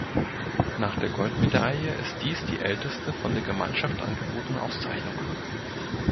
Nach der Goldmedaille ist dies die älteste von der Gemeinschaft angebotene Auszeichnung.